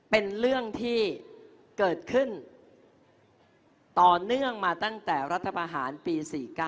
เป็นเรื่องที่เกิดขึ้นต่อเนื่องมาตั้งแต่รัฐประหารปี๔๙